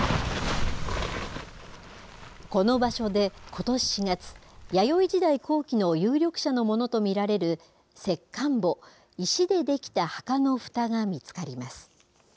この場所で、ことし４月、弥生時代後期の有力者のものと見られる石棺墓、石で出来た墓のふたが見つかります。